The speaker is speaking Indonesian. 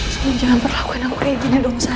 sayang jangan perlakuin aku kayak gini dong sayang